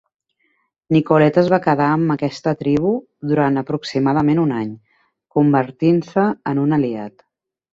Nicolet es va quedar amb aquesta tribu durant aproximadament un any, convertint-se en un aliat.